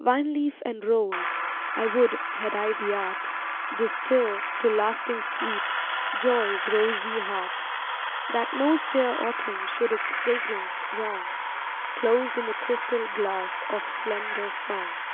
Vineleaf and rose: I would, had I the art, Distil, to lasting sweet, Joy's rosy heart, That no sere autumn should its fragrance wrong, Closed in the crystal glass of slender song.